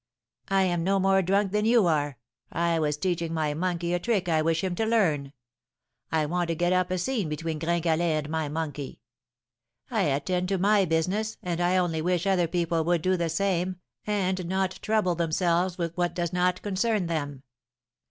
'I am no more drunk than you are! I was teaching my monkey a trick I wish him to learn. I want to get up a scene between Gringalet and my monkey. I attend to my business, and I only wish other people would do the same, and not trouble themselves with what does not concern them.'